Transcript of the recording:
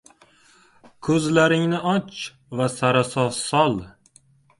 – Koʻzlaringni och va sarasof sol.